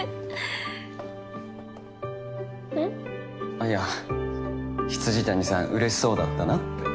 あぁいや未谷さんうれしそうだったなって。